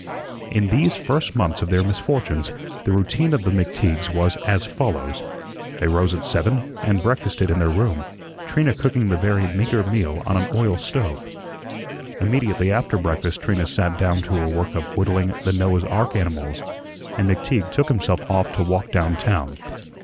In these first months of their misfortunes the routine of the McTeagues was as follows: They rose at seven and breakfasted in their room, Trina cooking the very meagre meal on an oil stove. Immediately after breakfast Trina sat down to her work of whittling the Noah's ark animals, and McTeague took himself off to walk down town.